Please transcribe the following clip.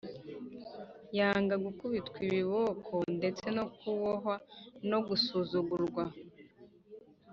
Yanga gukubitwa ibiboko ndetse no kubohwa no gusuzugurwa